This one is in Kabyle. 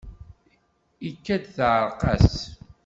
Ikad-d teεreq-as.